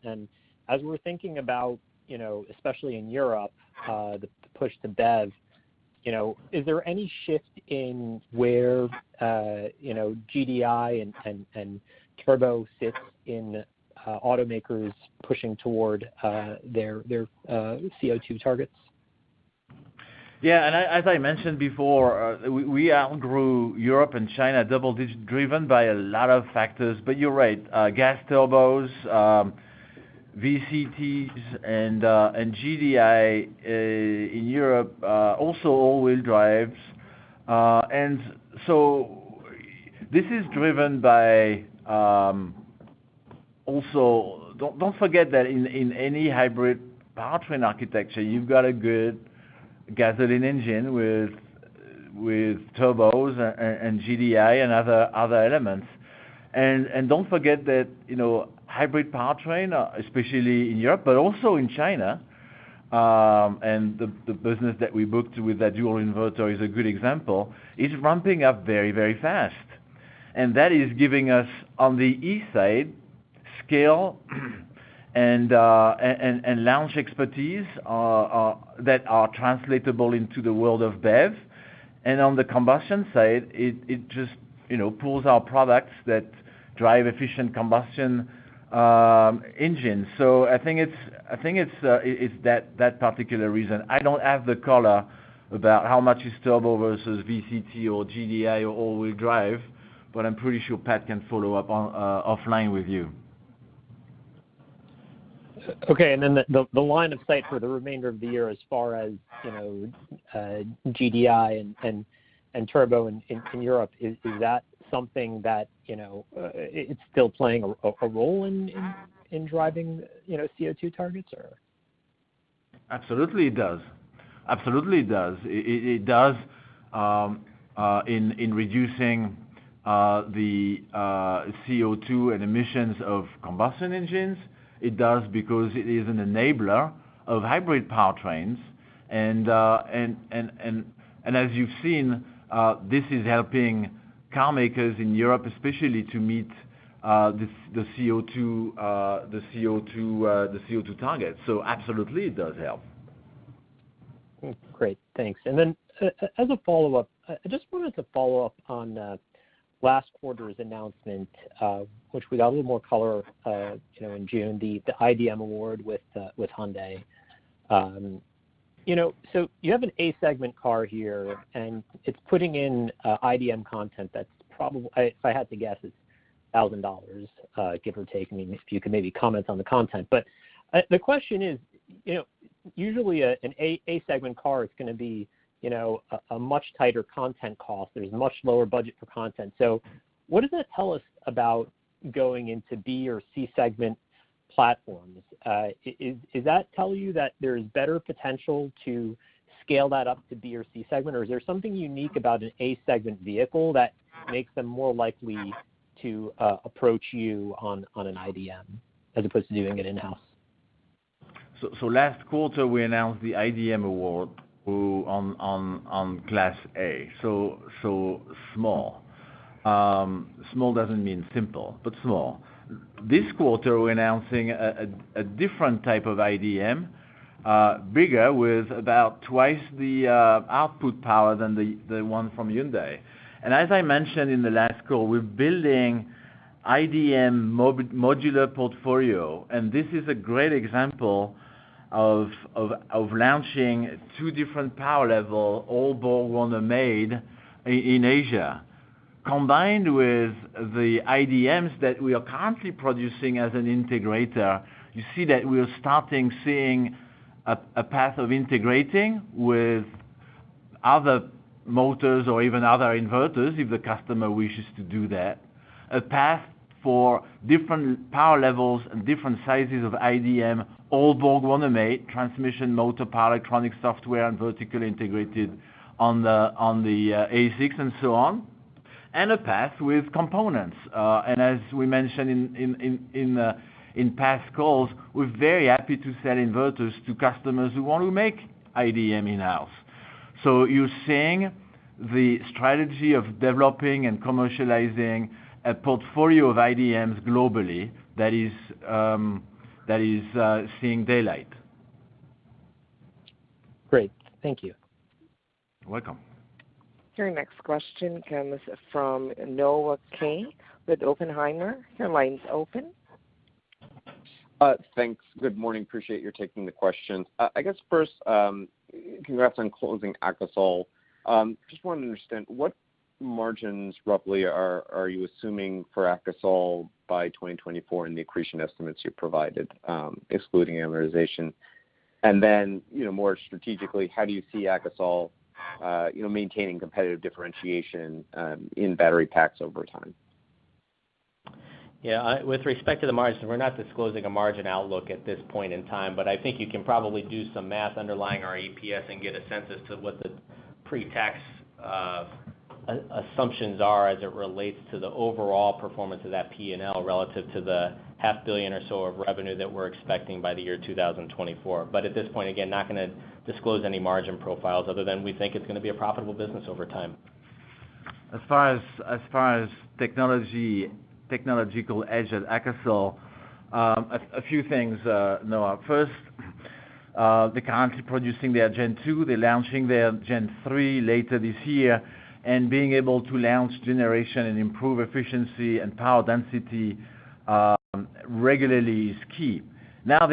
As we're thinking about, especially in Europe, the push to BEV, is there any shift in where GDI and turbo sits in automakers pushing toward their CO2 targets? Yeah. As I mentioned before, we outgrew Europe and China double-digit, driven by a lot of factors. You're right. Gas turbos, VCTs, and GDI in Europe, also all-wheel drives. This is driven by Also, don't forget that in any hybrid powertrain architecture, you've got a good gasoline engine with turbos and GDI and other elements. Don't forget that hybrid powertrain, especially in Europe, but also in China, and the business that we booked with that dual inverter is a good example, is ramping up very fast. That is giving us, on the E side, scale and launch expertise that are translatable into the world of BEV. On the combustion side, it just pulls our products that drive efficient combustion engines. I think it's that particular reason. I don't have the color about how much is turbo versus VCT or GDI or all-wheel drive, but I'm pretty sure Pat can follow up offline with you. Okay. Then the line of sight for the remainder of the year as far as GDI and turbo in Europe, is that something that it's still playing a role in driving CO2 targets or? Absolutely it does. It does in reducing the CO2 and emissions of combustion engines. It does because it is an enabler of hybrid powertrains. As you've seen, this is helping car makers in Europe especially to meet the CO2 targets. Absolutely it does help. Great. Thanks. As a follow-up, I just wanted to follow up on last quarter's announcement, which we got a little more color in June, the iDM award with Hyundai. You have an A segment car here, and it's putting in iDM content that's probably, if I had to guess, it's $1,000, give or take. I mean, if you could maybe comment on the content. The question is, usually an A segment car is going to be a much tighter content cost. There's much lower budget for content. What does that tell us about going into B or C segment platforms? Does that tell you that there's better potential to scale that up to B or C segment, or is there something unique about an A segment vehicle that makes them more likely to approach you on an iDM as opposed to doing it in-house? Last quarter, we announced the iDM award on Class A, so small. Small doesn't mean simple, but small. This quarter, we're announcing a different type of iDM, bigger with about 2x the output power than the one from Hyundai. As I mentioned in the last call, we're building iDM modular portfolio, and this is a great example of launching two different power levels, all BorgWarner made in Asia. Combined with the iDMs that we are currently producing as an integrator, you see that we're starting seeing a path of integrating with other motors or even other inverters if the customer wishes to do that. A path for different power levels and different sizes of iDM, all BorgWarner made, transmission, motor, power electronic software, and vertically integrated on the ASIC and so on. A path with components. As we mentioned in past calls, we're very happy to sell inverters to customers who want to make iDM in-house. You're seeing the strategy of developing and commercializing a portfolio of iDMs globally that is seeing daylight. Great. Thank you. You're welcome. Your next question comes from Noah Kaye with Oppenheimer. Your line's open. Thanks. Good morning. Appreciate your taking the question. I guess first, congrats on closing AKASOL. Just wanted to understand, what margins roughly are you assuming for AKASOL by 2024 in the accretion estimates you provided, excluding amortization? Then, more strategically, how do you see AKASOL maintaining competitive differentiation in battery packs over time? With respect to the margins, we're not disclosing a margin outlook at this point in time, but I think you can probably do some math underlying our EPS and get a sense as to what the pre-tax assumptions are as it relates to the overall performance of that P&L relative to the half billion or so of revenue that we're expecting by the year 2024. At this point, again, not going to disclose any margin profiles other than we think it's going to be a profitable business over time. As far as technological edge at AKASOL, a few things, Noah. First, they're currently producing their Gen 2. They're launching their Gen 3 later this year. Being able to launch generation and improve efficiency and power density regularly is key. Now,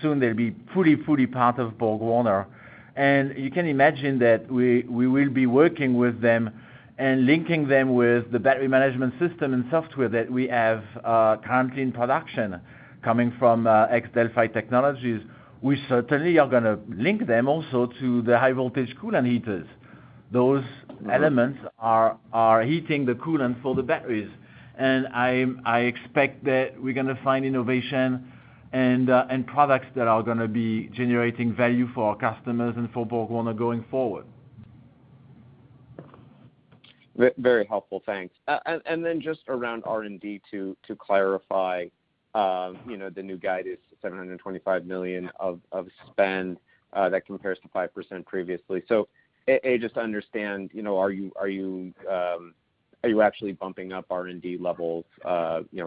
soon they'll be fully part of BorgWarner, and you can imagine that we will be working with them and linking them with the battery management system and software that we have currently in production coming from ex-Delphi Technologies. We certainly are going to link them also to the High-Voltage Coolant Heaters. Those elements are heating the coolant for the batteries. I expect that we're going to find innovation and products that are going to be generating value for our customers and for BorgWarner going forward. Very helpful. Thanks. Just around R&D, to clarify, the new guide is $725 million of spend. That compares to 5% previously. A, just to understand, are you actually bumping up R&D levels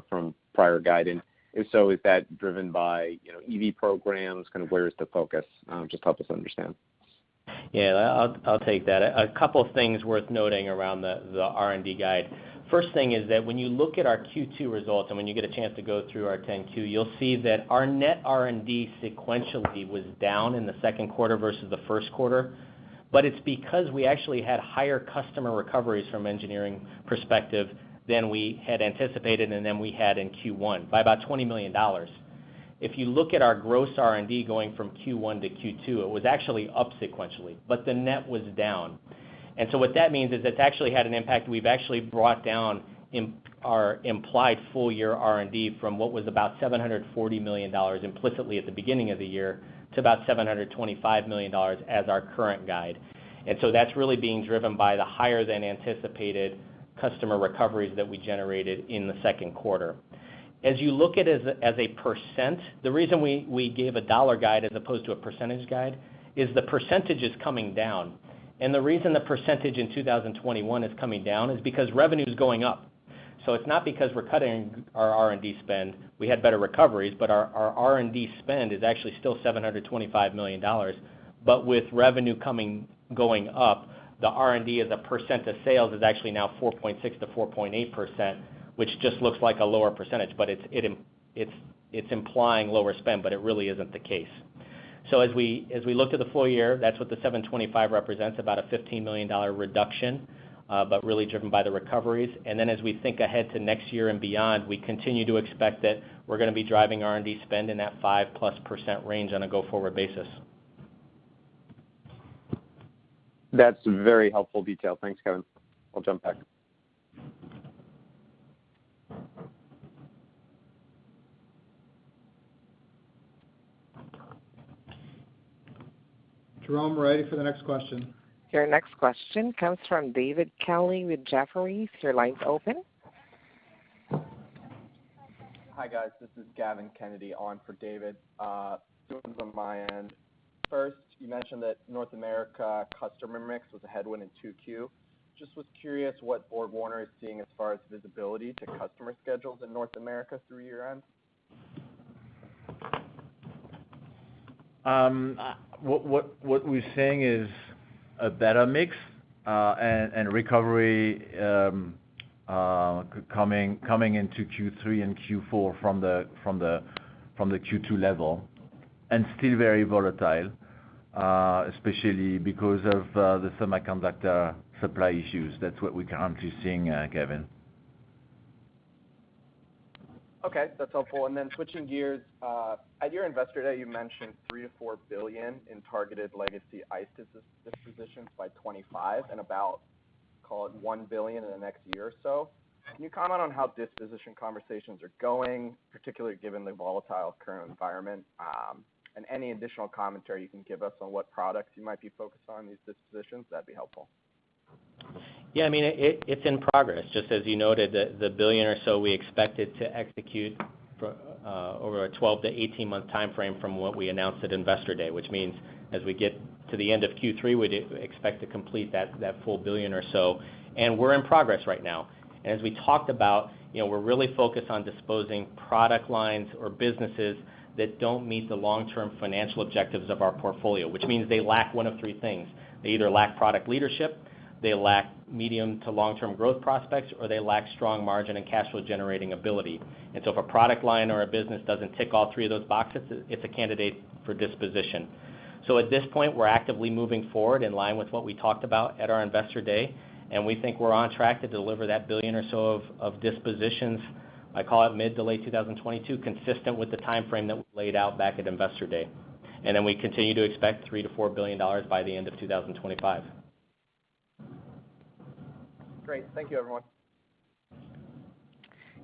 from prior guidance? If so, is that driven by EV programs? Kind of where is the focus? Just help us understand. Yeah, I'll take that. A two of things worth noting around the R&D guide. First thing is that when you look at our Q2 results, and when you get a chance to go through our 10-Q, you'll see that our net R&D sequentially was down in the second quarter versus the first quarter, but it's because we actually had higher customer recoveries from engineering perspective than we had anticipated and than we had in Q1 by about $20 million. If you look at our gross R&D going from Q1 to Q2, it was actually up sequentially, but the net was down. What that means is it's actually had an impact. We've actually brought down our implied full-year R&D from what was about $740 million implicitly at the beginning of the year to about $725 million as our current guide. That's really being driven by the higher-than-anticipated customer recoveries that we generated in the second quarter. As you look at it as a percent, the reason we gave a dollar guide as opposed to a percentage guide is the percentage is coming down. The reason the percentage in 2021 is coming down is because revenue's going up. It's not because we're cutting our R&D spend. We had better recoveries, but our R&D spend is actually still $725 million. With revenue going up, the R&D as a percent of sales is actually now 4.6%-4.8%, which just looks like a lower percentage, but it's implying lower spend, but it really isn't the case. As we look to the full-year, that's what the $725 million represents, about a $15 million reduction, but really driven by the recoveries. As we think ahead to next year and beyond, we continue to expect that we're going to be driving R&D spend in that 5%+ range on a go-forward basis. That's very helpful detail. Thanks, Kevin. I'll jump back. Jerome, ready for the next question. Your next question comes from David Kelley with Jefferies. Your line's open. Hi, guys. This is Gavin Kennedy on for David. Two ones on my end. First, you mentioned that North America customer mix was a headwind in 2Q. Just was curious what BorgWarner is seeing as far as visibility to customer schedules in North America through year-end. What we're seeing is a better mix, and recovery coming into Q3 and Q4 from the Q2 level, and still very volatile, especially because of the semiconductor supply issues. That's what we're currently seeing, Gavin. Okay. That's helpful. Switching gears, at your Investor Day, you mentioned $3 billion-$4 billion in targeted legacy ICE dispositions by 2025, about, call it $1 billion in the next year or so. Can you comment on how disposition conversations are going, particularly given the volatile current environment? Any additional commentary you can give us on what products you might be focused on in these dispositions, that'd be helpful. It's in progress. Just as you noted, the $1 billion or so we expected to execute over a 12-18 month timeframe from what we announced at Investor Day, which means as we get to the end of Q3, we'd expect to complete that full $1 billion or so. We're in progress right now. As we talked about, we're really focused on disposing product lines or businesses that don't meet the long-term financial objectives of our portfolio, which means they lack one of three things. They either lack product leadership, they lack medium to long-term growth prospects, or they lack strong margin and cash flow generating ability. So if a product line or a business doesn't tick all three of those boxes, it's a candidate for disposition. At this point, we're actively moving forward in line with what we talked about at our Investor Day, and we think we're on track to deliver that billion or so of dispositions, I call it mid-to-late 2022, consistent with the timeframe that we laid out back at Investor Day. We continue to expect $3 billion-$4 billion by the end of 2025. Great. Thank you, everyone.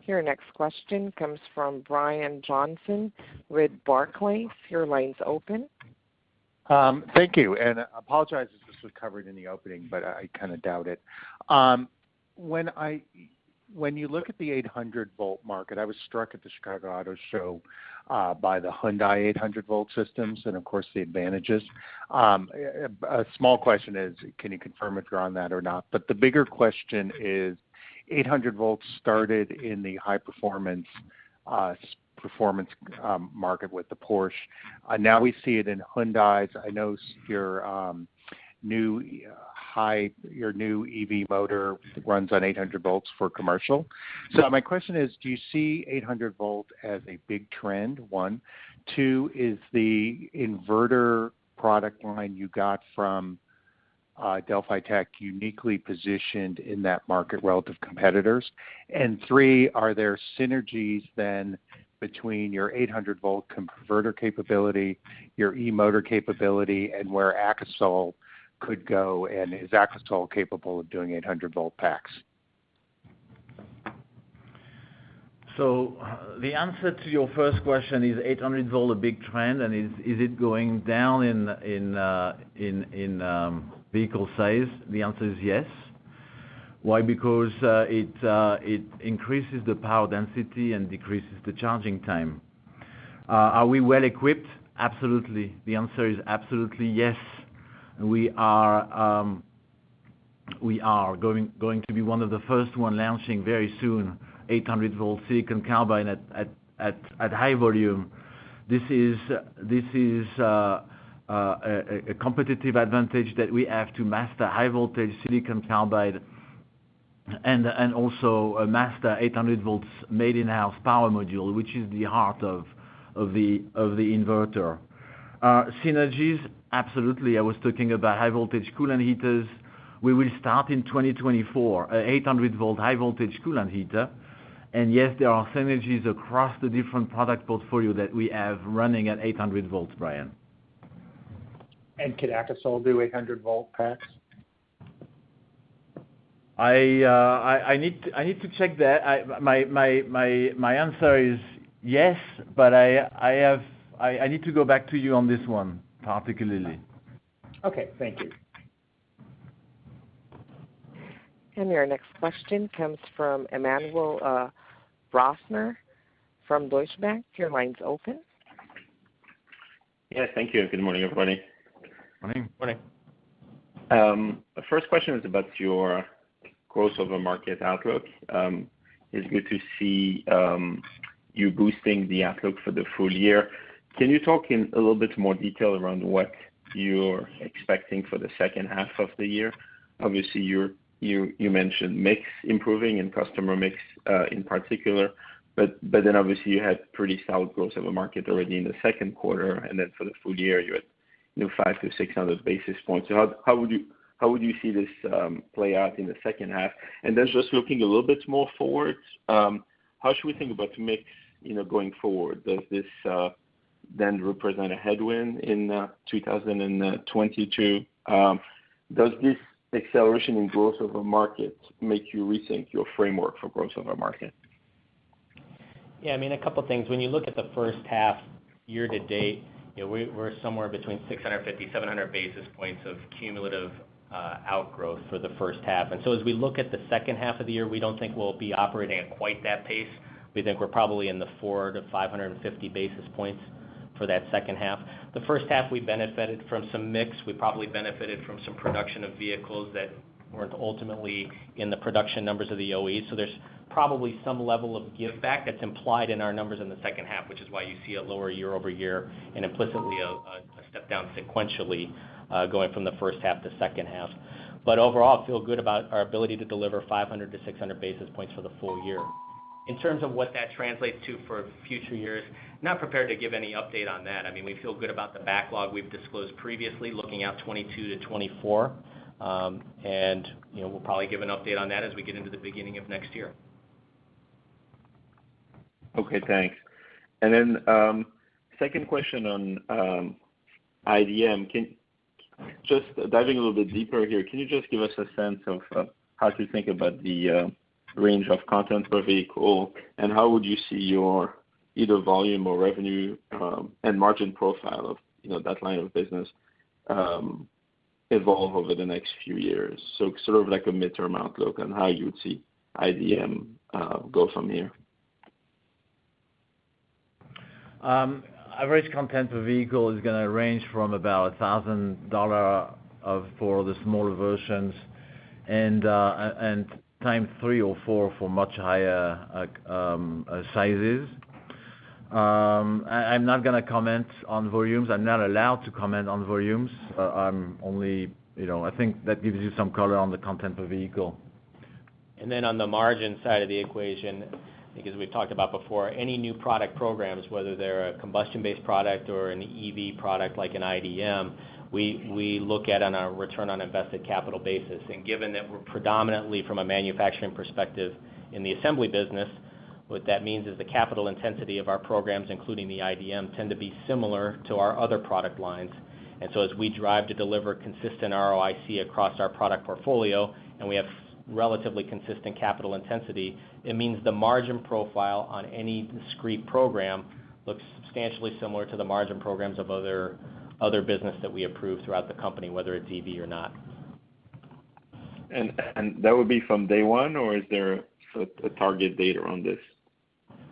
Your next question comes from Brian Johnson with Barclays. Your line's open. Thank you, and apologies if this was covered in the opening, but I kind of doubt it. When you look at the 800-V market, I was struck at the Chicago Auto Show by the Hyundai 800-V systems, and of course, the advantages. A small question is, can you confirm if you're on that or not? The bigger question is, 800-V started in the high-performance market with the Porsche. Now we see it in Hyundais. I know your new EV motor runs on 800-V for commercial. My question is, do you see 800-V as a big trend, one? Two, is the inverter product line you got from Delphi Technologies uniquely positioned in that market relative to competitors? Three, are there synergies then between your 800-V converter capability, your E-motor capability, and where AKASOL could go, and is AKASOL capable of doing 800-V packs? The answer to your first question, is 800-V a big trend, and is it going down in vehicle size? The answer is yes. Why? Because it increases the power density and decreases the charging time. Are we well equipped? Absolutely. The answer is absolutely yes. We are going to be one of the first one launching very soon 800-V silicon carbide at high volume. This is a competitive advantage that we have to master high-voltage silicon carbide and also master 800-V made in-house power module, which is the heart of the inverter. Synergies, absolutely. I was talking about High-Voltage Coolant Heaters. We will start in 2024, 800-V High-Voltage Coolant Heater. Yes, there are synergies across the different product portfolio that we have running at 800 V, Brian. Could AKASOL do 800-V packs? I need to check that. My answer is yes, but I need to go back to you on this one, particularly. Okay. Thank you. Your next question comes from Emmanuel Rosner from Deutsche Bank. Your line's open. Yeah, thank you. Good morning, everybody. Morning. Morning. The first question is about your growth over market outlook. It's good to see you boosting the outlook for the full-year. Can you talk in a little bit more detail around what you're expecting for the second half of the year? Obviously, you mentioned mix improving and customer mix in particular, but then obviously you had pretty solid growth over market already in the second quarter. For the full-year, you had 500-600 basis points. How would you see this play out in the second half? Just looking a little bit more forward, how should we think about mix going forward? Does this then represent a headwind in 2022? Does this acceleration in growth over market make you rethink your framework for growth over market? A couple things. When you look at the first half year to date, we're somewhere between 650-700 basis points of cumulative outgrowth for the first half. As we look at the second half of the year, we don't think we'll be operating at quite that pace. We think we're probably in the 400-550 basis points for that second half. The first half, we benefited from some mix. We probably benefited from some production of vehicles that weren't ultimately in the production numbers of the OEs. There's probably some level of giveback that's implied in our numbers in the second half, which is why you see a lower year-over-year and implicitly a step down sequentially going from the first half to second half. Overall, feel good about our ability to deliver 500-600 basis points for the full-year. In terms of what that translates to for future years, not prepared to give any update on that. We feel good about the backlog we've disclosed previously looking out 2022-2024. We'll probably give an update on that as we get into the beginning of next year. Okay, thanks. Second question on iDM. Just diving a little bit deeper here, can you just give us a sense of how to think about the range of content per vehicle, and how would you see your either volume or revenue and margin profile of that line of business evolve over the next few years, sort of like a midterm outlook on how you would see iDM go from here? Average content per vehicle is going to range from about $1,000 for the smaller versions and time three or four for much higher sizes. I'm not going to comment on volumes. I'm not allowed to comment on volumes. I think that gives you some color on the content per vehicle. Then on the margin side of the equation, I think as we've talked about before, any new product programs, whether they're a combustion-based product or an EV product like an iDM, we look at on a return on invested capital basis. Given that we're predominantly from a manufacturing perspective in the assembly business, what that means is the capital intensity of our programs, including the iDM, tend to be similar to our other product lines. So as we drive to deliver consistent ROIC across our product portfolio and we have relatively consistent capital intensity, it means the margin profile on any discrete program looks substantially similar to the margin programs of other business that we approve throughout the company, whether it's EV or not. That would be from day one or is there a target date on this?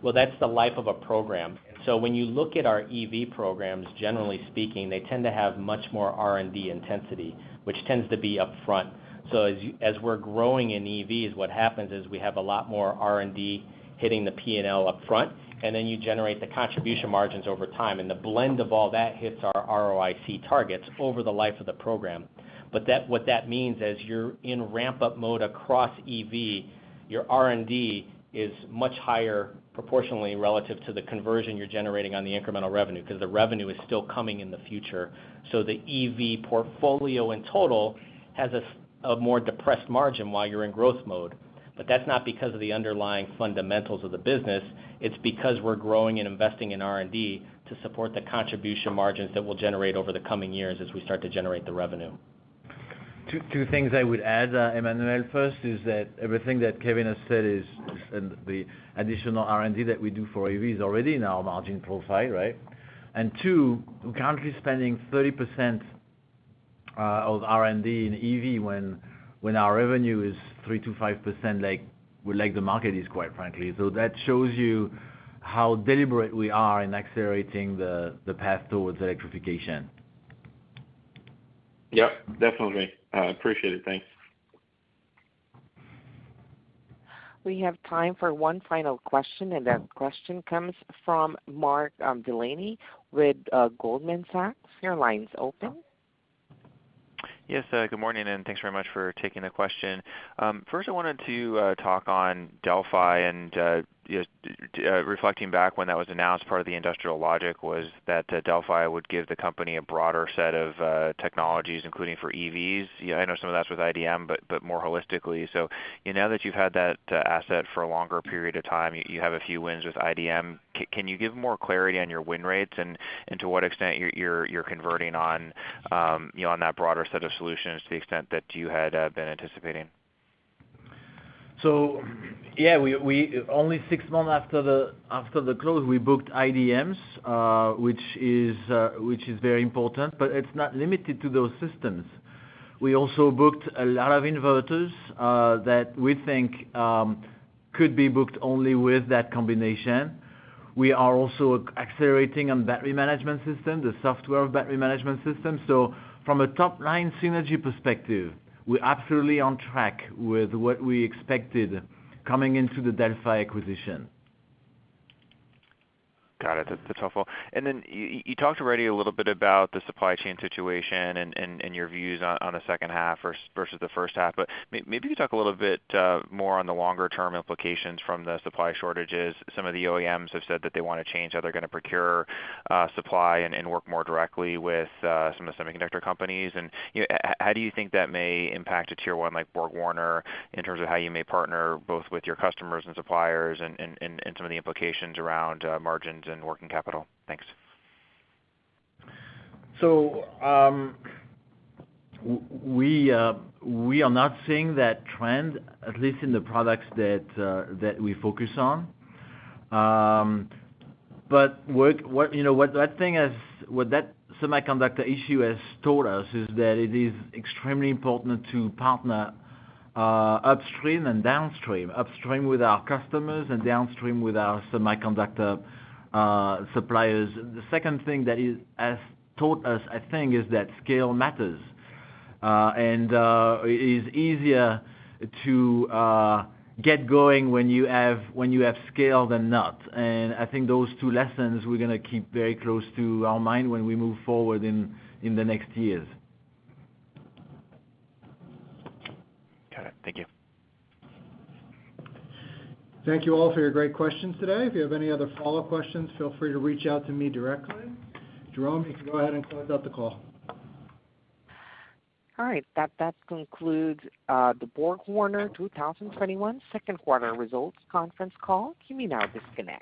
Well, that's the life of a program. When you look at our EV programs, generally speaking, they tend to have much more R&D intensity, which tends to be upfront. As we're growing in EVs, what happens is we have a lot more R&D hitting the P&L upfront, and then you generate the contribution margins over time, and the blend of all that hits our ROIC targets over the life of the program. What that means as you're in ramp-up mode across EV, your R&D is much higher proportionally relative to the conversion you're generating on the incremental revenue, because the revenue is still coming in the future. The EV portfolio in total has a more depressed margin while you're in growth mode. That's not because of the underlying fundamentals of the business. It's because we're growing and investing in R&D to support the contribution margins that we'll generate over the coming years as we start to generate the revenue. Two things I would add, Emmanuel. First is that everything that Kevin has said is the additional R&D that we do for EV is already in our margin profile, right? Two, we're currently spending 30% of R&D in EV when our revenue is 3%-5% like the market is, quite frankly. That shows you how deliberate we are in accelerating the path towards electrification. Yep, definitely. I appreciate it. Thanks. We have time for one final question, and that question comes from Mark Delaney with Goldman Sachs. Your line's open. Yes, good morning, and thanks very much for taking the question. First I wanted to talk on Delphi and just reflecting back when that was announced, part of the industrial logic was that Delphi would give the company a broader set of technologies, including for EVs. I know some of that's with iDM, but more holistically. So now that you've had that asset for a longer period of time, you have a few wins with iDM. Can you give more clarity on your win rates and to what extent you're converting on that broader set of solutions to the extent that you had been anticipating? Yeah, only six months after the close, we booked iDMs, which is very important, but it's not limited to those systems. We also booked a lot of inverters that we think could be booked only with that combination. We are also accelerating on battery management system, the software of battery management system. From a top-line synergy perspective, we're absolutely on track with what we expected coming into the Delphi acquisition. Got it. That's helpful. You talked already a little bit about the supply chain situation and your views on the second half versus the first half, but maybe you talk a little bit more on the longer-term implications from the supply shortages. Some of the OEMs have said that they want to change how they're going to procure supply and work more directly with some of the semiconductor companies. How do you think that may impact a Tier 1 like BorgWarner in terms of how you may partner both with your customers and suppliers and some of the implications around margins and working capital? Thanks. We are not seeing that trend, at least in the products that we focus on. What that semiconductor issue has taught us is that it is extremely important to partner upstream and downstream, upstream with our customers and downstream with our semiconductor suppliers. The second thing that it has taught us, I think, is that scale matters. It is easier to get going when you have scale than not. I think those two lessons we're going to keep very close to our mind when we move forward in the next years. Got it. Thank you. Thank you all for your great questions today. If you have any other follow-up questions, feel free to reach out to me directly. Jerome, you can go ahead and close out the call. All right. That concludes the BorgWarner 2021 second quarter results conference call. You may now disconnect.